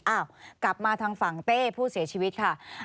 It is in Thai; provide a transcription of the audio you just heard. อ้าวกลับมาทางฝั่งเต้ผู้เสียชีวิตค่ะ